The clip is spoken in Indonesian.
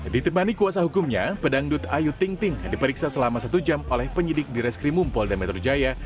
di temani kuasa hukumnya pedangdut ayu tingting diperiksa selama satu jam oleh penyidik di reskrimumpol dan metro jaya